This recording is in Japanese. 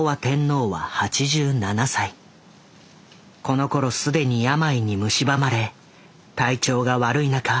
このころ既に病にむしばまれ体調が悪い中公務に臨んでいた。